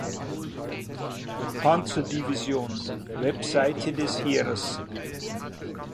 Panzerdivision, Website des Heeres.